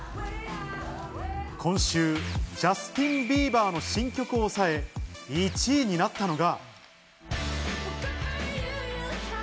今週、ジャスティン・ビーバーの新曲を抑え１位になったのが。